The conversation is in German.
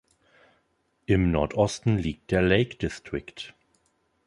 Im Nordosten liegt der Lake District.